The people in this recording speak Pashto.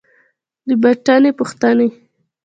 د بوټاني پوښتني